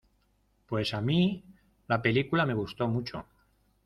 Pues a mí, la película me gustó mucho.